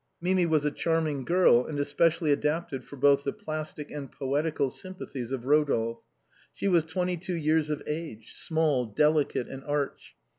Mimi was a charming girl, and especially adapted for both the plastic and poeti cal sympathies of Rodolphe. She was twenty two years of age, small, delicate, and arch.